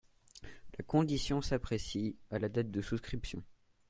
La condition s’apprécie à la date de la souscription.